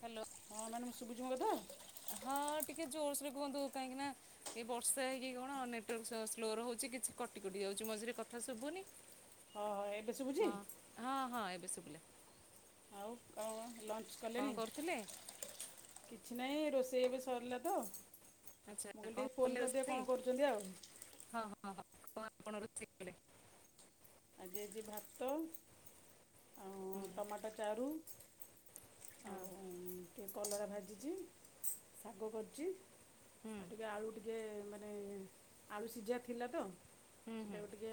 Hello ହଁ ଟିକେ ଜୋରସୋରେ କୁହନ୍ତୁ। କାହିଁକି ନା ଏ ବର୍ଷା ହେଇକି କଣ ନେଟୱାର୍କ ସୋ ସ୍ଲୋ ରହୁଛି। କିଛି କଟି କଟି ଯାଉଛି ମଝିରେ କଥା ଶୁବୁନି। ହଁ ହଁ ହଁ ଏବେ ଶୁବିଲା। ଆଉ କଣ କଣ ଲଞ୍ଚ କଲେଣି। କିଛି ନାଇଁ ରୋଷେଇ ଏବେ ସରିଲା ତ। ମୁଁ କହିଲି ଟିକେ ଫୋନ୍ କରିଦିଏ କଣ କରୁଚନ୍ତି ଆଉ। କଣ ଆପଣ ରୋଷେଇ କଲେ। ଆଗେ ହେଇଚି ଭାତ। ଆଉ ଟମାଟୋ ଚାରୁ। ଆଉ ଟିକେ କଲରା ଭାଜି ହେଇଚି ଶାଗ କରିଚି। ଆଉ ଟିକେ ଆଳୁ ଟିକେ ମା ମାନେ ଆଳୁ ସିଝା ଥିଲା ତ। ସେଇଟାକୁ ଟିକେ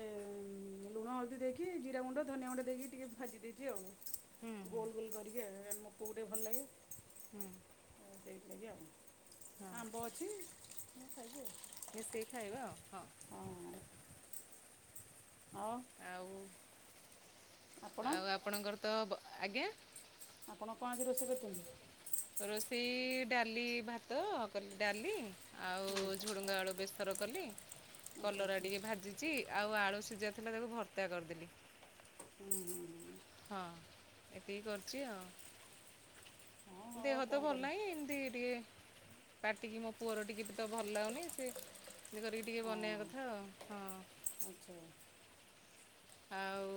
ଲୁଣ ହଳଦୀ ଦେଇକି ଜିରା ଗୁଣ୍ଡ ଧନିଆ ଗୁଣ୍ଡ ଦେଇକି ଟିକେ ଭାଜି ଦେଇଛି ଆଉ। ଗୋଲ ଗୋଲ କରିକି ମୋ ପୁଅକୁ ଟିକେ ଭଲ ଲାଗେ। ଲି ଆଉ ଆମ୍ବ ଅଛି ମୁଁ ଖାଇବି ଆଉ। ମିଶେଇକି ଖାଇବା ଆଉ। ଓହୋ। ଆଉ ଆଉ ଆପଣଙ୍କର ତ ପ ଆଜ୍ଞା। ଆପଣ କଣ ଆଜି ରୋଷେଇ କରିଛନ୍ତି? ରୋଷେଇ ଡାଲି ଭାତ କ ଡାଲି। ଆଉ ଝୁଡ଼ଙ୍ଗ ଆଳୁ ବେସର କଲି କଲରା ଟିକେ ଭାଜିଛି ଆ ଆଉ ଆଳୁ ସିଝା ଥିଲା ତାକୁ ଭତ୍ତା କରିଦେଲି। ହୁଁ ହୁଁ ହୁଁ। ହଁ ଏତିକି କରିଛି ଆଉ। ଦେହ ତ ଭଲ ନାହିଁ ଏମତି ଟିକେ ପାଟିକି ମୋ ପୁଅର ଟିକେ ତ ଭଲ ଲାଗୁନି ସିଏ ଏମିତି କରିକି ଟିକେ ବନେଇବା କଥା ଆଉ ହଁ। ଆଉ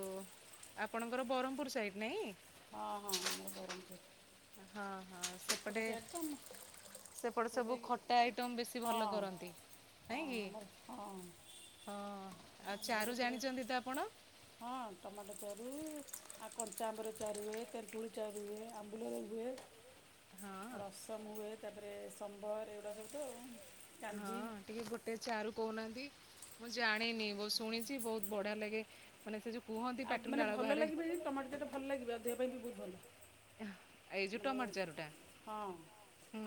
ଆପଣଙ୍କର ବରମପୁର ସାଇଡ ନାଇଁ? ହଁ ହଁ ଆମର ବରମପୁର। ସେଲାଗି ହଁ ହଁ ଆମର ହଁ। ଆମର ସେପଟେ ହଁ ଟମାଟୋ ଚାରୁ ଆ କଞ୍ଚା ଆମ୍ୱରେ ଚାରୁ ହୁଏ ତେନ୍ତୁଳିରେ ଚାରୁ ହୁଏ ଆମ୍ବୁଲରେ ହୁଏ। ରସମ ହୁଏ ତାପରେ ସମ୍ବର ଏଇଗୁଡା ସବୁ ତ। ହଁ ଟିକେ ଗୋଟେ ଚାରୁ କହୁନାହାନ୍ତି? ମୁଁ ଜାଣିନି ବହୁତ ଶୁଣିଛି ବହୁତ ବଢିଆ ଲାଗେ ମାନେ ସେ ଯୋଉ ଆଉ ମାନେ ଭଲ ଲାଗିବେ ଯେ ଟମାଟୋ ସହ ଭଲ ଲାଗିବ ଆଉ ଦେହ ପାଇଁ ବି ବହୁତ ଭଲ। ମାନେ ହଁ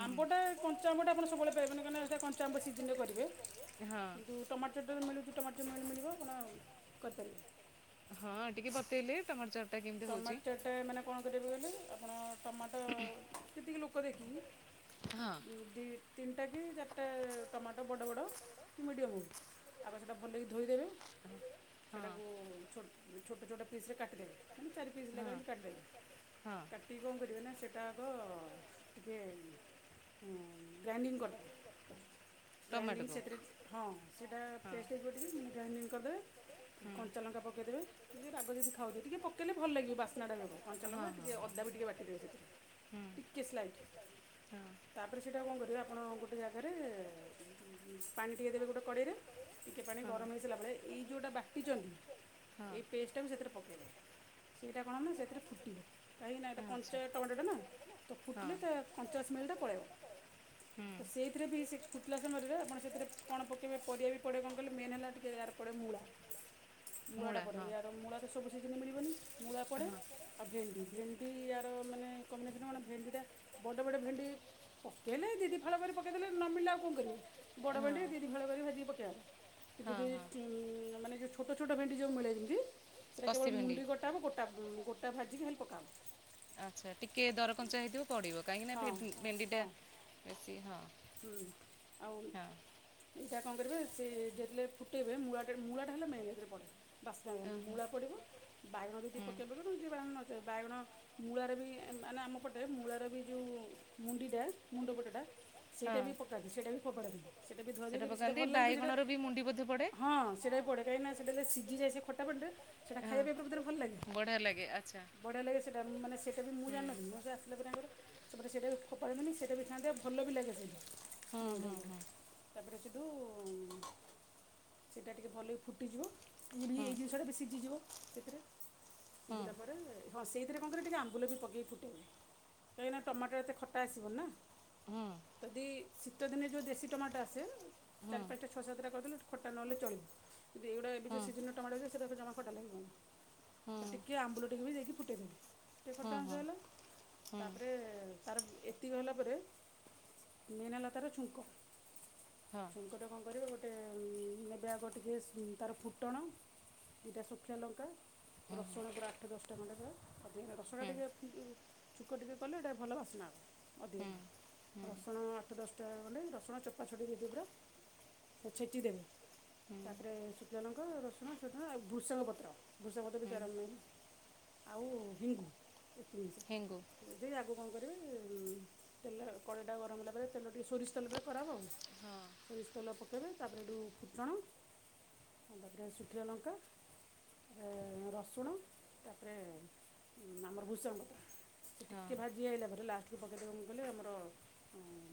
ଆମ୍ବଟା କଞ୍ଚା ଆମ୍ବଟା ଆପଣ ସବୁବେଳେ ପା ପାଇବେନି କାହିଁ ନା ଚାମ୍ବ ସିଜିନ୍ ରେ କରିବେ କିନ୍ତୁ ଟମାଟୋ ଚଟା ମିଳୁଛି ଟମାଟୋ ମେଳି ମିଳିବ ହଁ ଆପଣ କରିପାରିବେ। ହଁ ଟିକେ ବତେଇଲେ ଟମାଟ ଚଟ ଟମାଟୋ ଚଟେ ମାନେ କଣ କରିବ କହିଲେ ଆପଣ ଟମାଟ ରୋକ ଦେଇକିି ଦି ତିନିଟା କି ଚାରିଟା ଟମାଟୋ ବଡ଼ ବଡ଼ କି ମିଡ଼ିୟମ୍ ହେଉ ଆଗ ସେଇଟା ଭଲକି ଧୋଇଦେବେ ସେଇଟାକୁ ଛୋ ଛୋଟ ଛୋଟ ପିସ୍ ରେ କାଟିଦେବେ ମାନେ ଚାରି ପିସ ଲେଖାଏଁ କାଟିଦେବେ। କାଟିକି କଣ କରିବେ ନା ସେଇଟା ଆଗ ଟିକେ ହଁ ଗ୍ରାଇଣ୍ଡିଙ୍ଗ କରିଦେବେ। ଗ୍ରାଇଣ୍ଡିଙ୍ଗ ସେଥିରେ ହଁ ସେଇଟା ପେଷ୍ଟ ହେଇଯିବ ଟିକେ ମାନେ ଗ୍ରାଇଣ୍ଡିଙ୍ଗ କରିଦେବେ କଞ୍ଚାଲଙ୍କା ପକେଇଦେବେ ଟିକେ ରାଗ ଯଦି ଖାଉଥିବେ ଟିକେ ପ ତାହାଲେ ଭଲ ଲାଗିବ ବାସ୍ନାଟା ବି ହେବ କଞ୍ଚାଲଙ୍କା ଟିକେ ଅଦା ବି ଟିକେ ବାଟିଦେବେ ସେଥିରେ। ଟିକେ ସ୍ଲାଇଟ ତାପରେ ସେଇଟା କଣ କରିବେ ଆପଣ ଗୋଟେ ଜାଗାରେ ପାଣି ଟିକିଏ ଦେବେ ଗୋଟେ କଡ଼େଇରେ ଟିକେ ପାଣି ଗରମ ହେଇସିଲା ବଳେ ଏଇ ଯେଉଁଟା ବାଟିଛନ୍ତି ଏଇ ପେଷ୍ଟଟା ବି ସେଥିରେ ପକାଇବେ। ସେଇଟା କଣ ନା ସେଥିରେ ଫୁଟିବ କାହିଁକି ନା ଏଇଟା କଞ୍ଚା ଟମାଟୋଟା ନା ତ ଫୁଟିଲେ ତା କଞ୍ଚା ସ୍ମେଲ ମେଲଟା ପଳେଇବ। ତ ସେଇଥିରେ ବି ସେ ଫୁଟିଲା ସମୟରେ ଆପଣ ସେଥିରେ କଣ ପକେଇବେ ପରିବା ବି ପଡେ କଣ କହିଲ ମେନ୍ ହେଲା ଟିକେ ପଡେ ମୂଳା ମୂଳା ଟା ପଡେ ୟାର ମୂଳାର ସବୁ ସିଯିନ ମିଳି ବନି ମୂଳା ପଡେ ଆଉ ଭେଣ୍ଡି ଭେଣ୍ଡି ୟାର ମାନେ କମ୍ନା ଦିନ କଣ ଭେଣ୍ଡି ଟା ବଡ ଡେ ଭେଣ୍ଡି ପକେଇଲେ ଦି ଦି ଫାଳ କରି ପକେଇ ଦେଲେ ନମଳିଲେ ଆଉ କଣ କରିବୁ ବଡ଼ ଭେଣ୍ଡି ଦି ଦି ଫାଳ କରିକି ଭାଜିକି ପକେଇବା କଥା କି ଜଦି ମାନେ ଯୋଉ ଛୋଟ ଛୋଟ ଭେଣ୍ଡି ଯୋଉ ମିଳେ ଯେମିତି ସେଟା କେବଳ ମୁଣ୍ଡି ଗୋଟେ ଗୋଟା ଗୋଟା ଭାଜିକି ଖାଲି ପକାହବ। ଆଛା ଟିକେ ଦର କଞ୍ଚା ହେଇଥିବ ପଡିବ କାହିଁକି ନା ଭେଣ୍ଡି ଟା ହୁଁ ଆଉ ସେଇଟା କଣ କରିବେ ସେ ଯେତେବେଳେ ଫୁଟେଇବେ ମୂଳାଟା ମୂଳାଟା ହେଲା ମେନ୍ ହେଥିରେ ପଡେ ବାସନା ହୁଏ ମୂଳା ପଡ଼ିବ ବାଇଗଣ ଯଦି ପକାଇବେ ପକେଇବ ନହେଲେ ଦିବନ ବାଇଗଣ ମୂଳାର ବି ମାନେ ଆମ ପଟେ ମୂଳାର ବି ଯୋଉ ମୁଣ୍ଡି ଟା ମୁଣ୍ଡ ପଟଟା ସେଇଟା ବି ପକାନ୍ତି ସେଇଟା ବି ପପୋଡ଼ାନ୍ତିନି ସେଇଟା ବି ଧୁଆଧୁଇ କରିକି ସେଇଟା ଭଲ ଲାଗେବି ସେଇଟା ହଁ ସେଇଟା ବି ପଡେ କାହିଁକି ନା ସେଟା ସିଝି ଯାଏ ସେ ଖଟା ପାଣିଟା ସେଟା ଖାଇବା ପାଇଁ ବଢିଆ ଲାଗେ ବଢିଆ ଲାଗେ ସେଇଟା ମାନେ ସେଇଟା ବି ମୁଁ ବି ଜାଣିନଥିଲି ମୁଁ ସେ ଆସିଲା ପରେ ଆଙ୍କର ସେଟା ସେ ଫୋପାଡିବେନି ସେଇଟା ବି ଖାଆନ୍ତି ଆଉ ଭଲ ବି ଲାଗେ ସେଇଟା ମୁଁ ଟାଙ୍କର ତାପରେ ସେ କିନ୍ତୁ ସେଇଟା ଟିକେ ଭଲକି ଫୁଟିଯିବ ଇ ବି ଏଇ ଜିନିଷଟା ବି ସିଝିଯିବ ସେଥିରେ ସିଝିଲା ପରେ ହଁ ସେଇଥିରେ କଣ କରିବେ ଟିକେ ଆମ୍ବୁଲ ବି ପକେଇକି ଫୁଟେଇବେ କାହିଁକିନା ଟମାଟର ଏତେ ଖଟା ଆସିବ ନା। ଯଦି ଶୀତ ଦିନେ ଯୋଉ ଦେଶୀ ଟମାଟୋ ଆସେ ଚାରି ପାଞ୍ଚଟା ଛଅ ସାତଟା କରିଦଲେ ଖଟା ନହେଲେ ଚଳିବ ଯଦି ଏଇଗୁଡ଼ା ଏବେ ଯୋଉ ସିଜନର ଟମାଟୋ ସେରା ଫେରେ ଜମା ଖଟା ଲାଗିବନି। ତ ଟିକିଏ ଆମ୍ବୁଲ ଟିକେ ବି ଦେଇକି ଫୁଟେଇ ଦେବେ ଟିକେ ଖଟା ଅଂଶ ହେଲା ତାପରେ ତାର ଏତିକି ହେଲା ପରେ ମେନ୍ ହେଲା ତାର ଛୁଙ୍କ ଛୁଙ୍କଟା କଣ କରିବ ଗୋଟେ ଗୋଟେ ନେବେ ଆଗ ଟିକେ ତାର ଫୁଟଣ ଦୁଇଟା ଶୁଖିଆ ଲଙ୍କା ରସୁଣ ପୁରା ଆଠ ଦଶଟା ଖଣ୍ଟେ ପୁରା ଅଧିକା ରସୁଣା ଟିକେ ଛୁକ ଟିକେ କଲେ ଏଇଟା ଭଲ ବାସ୍ନା ହେବ ଅଧିକ ହେଇ ରସୁଣ ଆଠ ଦଶଟା ଗଲେ ରସୁଣ ଚୋପା ଛଟିକ ଦେଇିଦି ପୁରା ସେ ଛେଚି ଦେବେ ତାପରେ ଶୁକିଲା ଲଙ୍କା ରସୁଣ ସେ ଭୃଷଙ୍ଗ ପତ୍ର ବୃଷାପତ ବି ତର ମେନ୍ ଆଉ ହିଙ୍ଗୁ ଏ ଜିନିଷ ଦେଇ ଆଗକୁ କଣ କରିବି ତେଲ କଡ଼େଇଟା ଗରମ ହେଲା ପରେ ତେଲ ଟିକିେ ସୋରିଷ ତେଲରେ କରା ହବ ଆଉ। ସୋରିଷ ତେଲ ପକାଇବେ ତାପରେ ହେଠୁ ଫୁଟଣ ତାପରେ ଶୁଖିଲା ଲଙ୍କା ତାପରେ ରସୁଣ ତାପରେ ଆମର ଭୂଷଙ୍ଗପତ୍ର ସେ ଟିକେ ଭାଜି ଆଇିଲଲା ପରେ ଲାଷ୍ଟରୁ ପକେଇଦ କଣ କହିଲେ ଆମର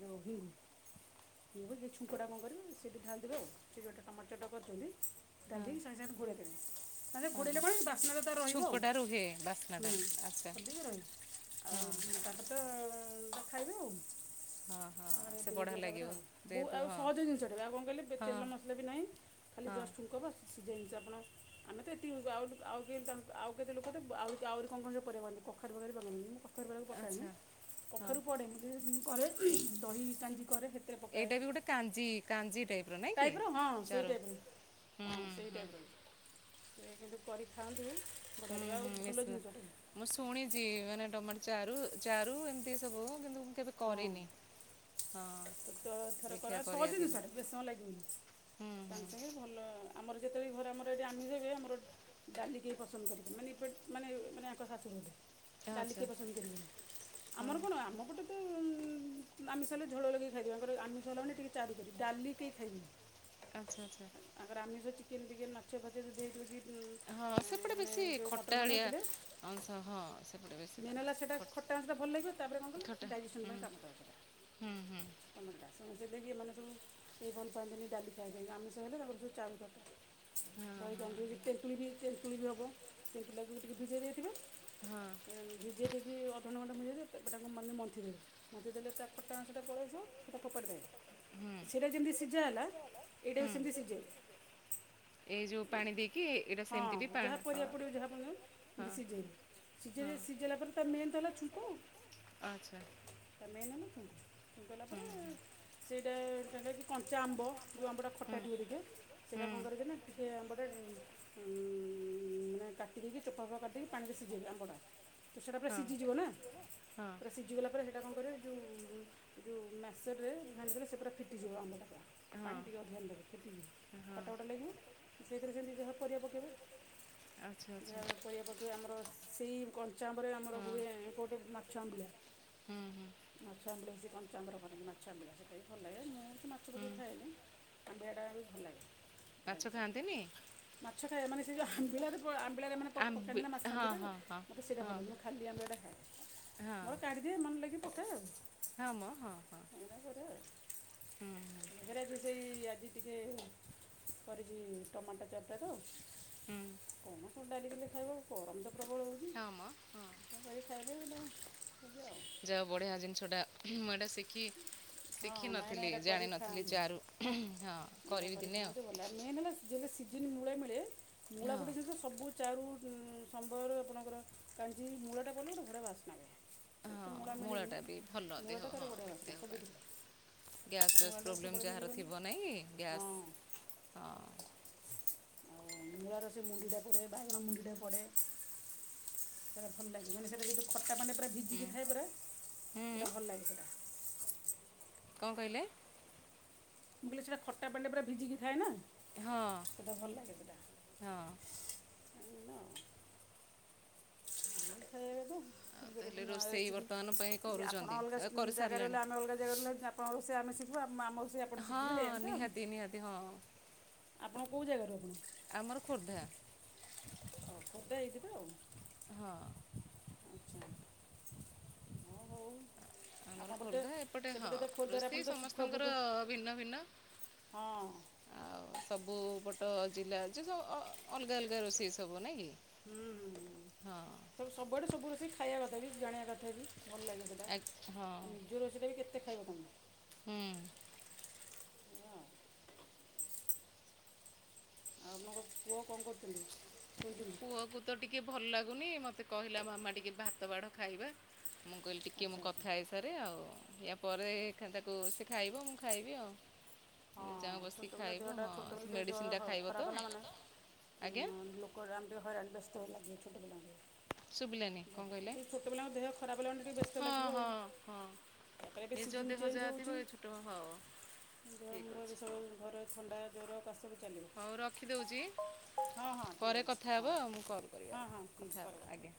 ଯେଉଁ ହିଙ୍ଗୁ ଇଏ ଛୁଙ୍କୁଡ଼ା କଣ କରିବେ ସେଇଠି ଧାଧ ଦେିବେ ଆଉ ସେ ଗୋଟେ ଟମାଟୋଟା କରିଛନ୍ତି। ଡାଲି କି ସାଙ୍ଗେ ସାଙ୍ଗେ ଘୋଡେଇ ଦେବେ ତା ଘୋଡ଼େଇଲେ କଣ ବାସ୍ନାଟା ତାର ରହିବ ଆଉ। ହୁଁ ସଧିକି ରହିବ। ଆଉ ତାପ ତ ଖାଇବେ ଆଉ। ତା ରେଡ଼ି ହେଇଯିବ ତାପରେ ଆଉ ବ ଆଉ ସହଜ ଜିନିଷଟେବେ ଆଉ କଣ କହିଲେ ତେଲ ମସଲା ବି ନାହିଁ। ଖାଲି ଜଷ୍ଟ ଛୁଙ୍କ ପା ସିଝାଇି ଆପଣ ଆମେ ତ ଏତିକି ଆଉ ଆଉ ଆଉ କେତେ ଲୋକ ତ ଆହୁରି କଣ କଣ ସବୁ ପକାନ୍ତି କଖାରୀ ଫଖାରି ପକାନ୍ତି ମୁଁ [unintelligible] କୋଖରୀ ଗୁଡ଼ାକୁ ପକଏମି [unintelligible] କଖାରୁ ପଡ଼େନି କରେ ଦହି କାଞ୍ଜି କରେ ଏଇଟା ବି ଗୋଟେ କାଞ୍ଜି କାଞ୍ଜି ଟାଇପ୍ ର ନାଇଁ କି ଚାର ହଁ ସେଇ ଟାଇପ ର ବି ସେ କିନ୍ତୁ କରି ଖାଆନ୍ତୁ ହୁଁ ହୁଁ ନିଶ୍ଚନ୍ତ ମୁଁ ଶୁଣିଛି ମାନେ ଟମାଟ ଚାରୁ ଚାରୁ ଏମିତି ସବୁ କିନ୍ତୁ ମୁ କେବେ କରିନି ହଁ ତ ତ ଥରେ କର ସହଜ ଜିନିଷଟା ବେଶ ସମୟ ଲାଗିବନି ତାଙ୍ଗେ ସାଙ୍ଗେ ଭଲ ଆମର ଯେତେବେଳେ ଘରେ ଆମର ଏଠି ଆମେ ଯବେ ଆମର ଡାଲି କେହି ପସନ୍ଦ [unintelligible] କରିକେ ମାନେ ଏ ମାନେ ମାନେ ଆଙ୍କ ଶାଶୁ ଘର ଗୋଟେ ଡାଲି କିଏ ପସନ୍ଦ କରିବେନି ଆମର କଣ ଆମ ପଟେ ତ ଆମିଷିଲେ ଝୋଳ ଲଗେଇ ଖାଇର ଆମିଷ ହେଲାାନ ଟିକେ ଚାରୁ କରି ଡାଲି କେହି ଖାଇବେନି। ଆଚ୍ଛା ଆଚ୍ଛା। ବିକନ ବିକେନ୍ ମାଛ ଫାଛ ଯଦିି [unintelligible] ହଁ ସେପଟେ ବେଶୀ ଖଟାଳିଆ ଅଂଶ ହଁ ସେପଟେ ବେଶୀ ତାଙ୍କର ତାପରେ କଣ କ ଡାଇଜେସନ ପାଇଁ କାମ ଦବ ସେଟା ହୁଁ ହୁଁ। [unintelligible] ତମର ଡାସ ସେକି [unintelligible] ଏମାନେ ସବୁ ସେଇ ଭଲ ପାଆନ୍ତିନି ଡାଲି ଖାଇବା ପାଇଁ ଆମିଷ ହେଲେ ତାଙ୍କର ସବୁ ଚାରୁ ଦରକାର ଦହି କାଞ୍ଜି ତେଣ୍ଟୁଳି ବି ତେଣ୍ଟୁଳି ବି ହେବ ତେଣ୍ଟୁଳି ଟାକୁ ଟିକିେ ଭିଜାଇ ଦେଇଥିବେ ଭିଜେଇ ଦେଇକି ଅଧଘଣ୍ଟା ଖଣ୍ଡେ [unintelligible] ତେବେ ତା ମାନେ ମନ୍ଥି ଦେବେ ମନ୍ଥି ଦେଲେ ତା ଖଟା ଅଂଶ ପଳାଇ ଆସିବ ସେଇଟା ଫୋପାଡ଼ି ଦେବେ ସେଟା ଯେମିତି ସିଝା ହେଲା ଏଇଟା ବି ସେମିତି ସିଝେଇବେ ହଁ ଯାହା ପରିବା ପଡିବ [unintelligible] ଯାହାପଣ ଦଶି ଯାଇବେ [unintelligible] ସିଝ ସିଝେଇିଲା ପରେ ତା ମେନ୍ ତ ହେଲା ଛୁଙ୍କ ଆଚ୍ଛା। ଛୁଙ୍କ ଛୁଙ୍କ ହେଲା ପରେ ସେଇଟା ଟା କି କଞ୍ଚା ଆମ୍ବ ଯେଉଁ ଆମ୍ବଟା ଖଟା ଟିବ ଟିକେ ସେଇଟା କଣ କର ଯେ ନା ଟିକେ ଆମ୍ବ ଟେ ମାନେ କାଟି ଦେଇେ ଚୋପା ଫୋପା [unintelligible] କଟିେ [unintelligible] ପାଣିରେ ସିଝେଇବା ଆମବଡ଼ା ତ ସେଇଟା ପୁରା ସିଝିଯିବ ନା ପୁରା ସିଝିଗଲା ପରେ ସେଇଟା କଣ କରେ ଯେଉଁ [unintelligible] ଏ ଯେଉଁ ମ୍ୟାସ୍ରରେ ଘାଡିଦେଲେ ସେ ପୁରା ଫିଟିଯିବ ଆମ୍ବଟା ପୁରା ପାଣି ଟିକେ ଅଧ୍ୟନ ଦେବେ ଫିଟିଯିବ [unintelligible] ଖଟା ଖଟା ଲାଗିବ ସେଇଥିରେ ସେମିତି ଯ ପରିବା ପକାଇବେ ଯାହା ପରିବା ପକେଇବେ ଆମର ସେଇ [unintelligible] ଆମର ହୁଏ ଗୋଟେ ମାଛ ଆମ୍ବିଳ ମାଛ ଆମ୍ବିଳା ସେ [unintelligible] ଚନ୍ଦର ପିକି ମାଛ ଆମ୍ବିଳା ସେଇଟା ବି ଭଲ ଲାଗେ ମୁଁ ବି ତ ମାଛ ପକାଇ ଖାଏନି ଆମ୍ବଳିଆଟା ବି ଭଲ ଲାଗେ ମାଛ ଖାଆନ୍ତିନି ମାଛ ଖାଇବା ମାନେ ସେ ଯେଉ ଆମ୍ବିଳାରେ ପ ଆମ୍ବିଳାରେ ମାନେ ପ ପକାନ୍ତି ନା ମାଛ ଆମ୍ବିଟାରେ ମୋତେ ସେଇଟା [unintelligible] ଭଲନି ମୁଁ ଖାଲିି [unintelligible] ଆମ ଏଇଟା ଖାଏ ମୋର କାଢ଼ିଦିଏ ମନେ ଲାଗି ପକାଏ ଆଉ ହମ। [unintelligible] ଆଜି ଟିକେ କରିଛି ଟମାଟୋ [unintelligible] ଚାଟାରୋ କଣ [unintelligible] ଡାଲି ଘରିକା ଖାଇବ ଆଉ ଗରମ ଦ ହମ ହଁ। [unintelligible] ଯାହା ବଢିଆ ଜିନ୍ସଟା ମୁଁ ଏଇଟା ଶିଖି ଶିଖିନଥିଲି ଜାଣିିନଥିଲି ଚାରୁ ହଁ କରିବି ଦିନେ ଆଉ ଯେମିତି ମୂଳା ମିଳେ ମୂଳା ଗୋଟେ ଜିନିଷ ସବୁ ଚାରୁ ସମ୍ବରରୁ ଆପଣଙ୍କର କାଞ୍ଜି ମୂଳାଟା ପଡ଼ିଲେ ଗୋଟେ ବଢ଼ିଆ ବାସ୍ନା ହୁଏ ଏଠି ତ ମୁଳା ମିଳୁନି ମୁଳଟା ତାର ବଢିଆ ବା ମୂଳାଟା ସବୁବେଳେ ମିଳିବନି, ହଁ। [inaudible] ଆଉ ମୁଳାର ସେ ମୁଣ୍ଡିଟା ପଡ଼େ ବାଇଗଣ ମୁଣ୍ଡିଟା ପଡ଼େ। ସେଇଟା ଭଲ ଲାଗେ ମାନେ ସେଇଟା କି ଖଟା ପାଣିରେ ପୁରା ଭିଜିକି ଥାଏ ପୁରା ସେଇଟା ଭଲ ଲାଗେ ସେଟା। କଣ କହିଲେ? ମୁଁ କିହିଲି ସେଟା ଖଟା ପାଣିରେ ପୁରା ଭିଜିକି ଥାଏ ନା। ହଁ, ହଁ। ଏଇ ହେଲା ଆଉ। ଖାଇବା କଥା ଗୋ ଇଏ ବି ନୂଆ ରେସିପି ଆପଣ ଅଲଗା ଜାଗାରେ ରହିଲେ ଆମେ ଅଲଗା ଜାଗାରେ ରହିଲୁ ଆପଣଙ୍କ ରୋଷଇ ଆମେ ଶି ଆମ ରୋଷେଇ ଆପଣ ଶିଖିବେ ଏମତି ଆଉ। ଆପଣ କୋଉ ଜାଗାରେ ରହୁଛନ୍ତି? ଖୋର୍ଦ୍ଧା ଏଇଠି ତ, ଆଚ୍ଛା। ହଁ ହଉ। ଆମର ଖୋର୍ଦ୍ଧା ଏପଟେ ହଁ ରୋଷେଇ ସମସ୍ତଙ୍କର ଭିନ୍ନ ଭିନ୍ନ। ଆଉ ସବୁ ପଟ ଜିଲ୍ଲା ଯିଏ ସବୁ ଅ ଅଲଗା ଅଲଗା ରୋଷେଇ ସବୁ ନାଇଁ କି। ହୁଁ ହୁଁ ସବୁଆଡ଼େ ସବୁ ରୋଷେଇ ଖାଇଆ କଥା ବି ଜାଣିବା କଥା ବି। ଭଲ ଲାଗେ ସେଟା ନିଜ ରୋଷେଇଟା ବି କେତେ ଖାଇବ ତମେ। ଆପଣଙ୍କ ପୁଅ କଣ କରୁଛନ୍ତି? ପୁଅ କୁ ତ ଟିକେ ଭଲ ଲାଗୁନି ମତେ କହିଲା ମାମା ଟିକେ ଭାତ ବାଢ଼ ଖାଇବା। ମୁଁ କହିଲି ଟିକେ ମୁଁ କଥା ହେଇସାରେ ଆଉ। ୟା ପରେ ତାକୁ ଏକା ତାକୁ ସେ ଖାଇବ ମୁଁ ଖାଇବି ଆଉ। ହଁ ଛୋଟ ପିଲା ଦେହଟା ଛୋଟ ବୋଲି ଟିକେ ଦେହ ଖରାପ ହେଲା ମାନେ କ ଆମ ଟିକେ ହଇରାଣ ବ୍ୟସ୍ତ ହୋଇ ଲାଗେ ଛୋଟ ପିଲା ଟିକେ। ଦେ ଛୋଟ ପିଲାଙ୍କ ଦେହ ଖରାପ ହେଲାଣି ଟିକେ ବ୍ୟସ୍ତ ଲାଗିବ ଆଉ। ତାପରେ ଏବେ ସିଜିନ୍ ଚେଞ୍ଜ ହଉଚି। ଦେହ ମୁଣ୍ଡ ଏ ସବୁ ଘରେ ଥଣ୍ଡା, ଜ୍ୱର, କାଶ ବି ଚାଲିବ ହଁ ହଁ ଠିକ୍। ପରେ କଥା ହବା ଆଉ ମୁଁ କଲ କରିବି ଆଉ କଥା ହବା, ଆଜ୍ଞା।